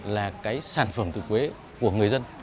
là cái sản phẩm từ quế của người dân